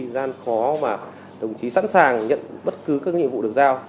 gian khó mà đồng chí sẵn sàng nhận bất cứ các nhiệm vụ được giao